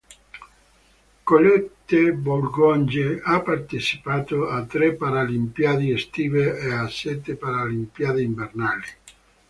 Colette Bourgonje ha partecipato a tre Paralimpiadi estive e a sette Paralimpiadi invernali.